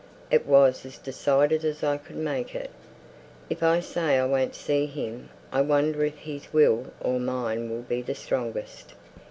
It was as decided as I could make it. If I say I won't see him, I wonder if his will or mine will be the strongest?"